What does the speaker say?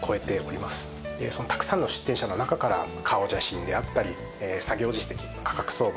でそのたくさんの出店者の中から顔写真であったり作業実績価格相場